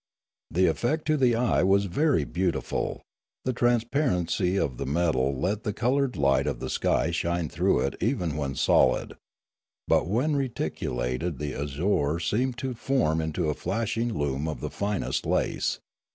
The effect to the eye was very beautiful ; the transparency of the metal let the coloured light of the sky shine through it even when solid ; but when reticulated the azure seemed to form into a flashing loom of the finest lace.